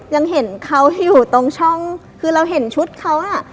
ยังเห็นเขาอยู่ตรงช่องคือเราเห็นชุดเขาอ่ะ